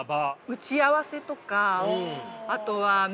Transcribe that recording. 打ち合わせとかあとは面接とか。